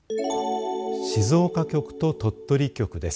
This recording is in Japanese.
静岡局と鳥取局です。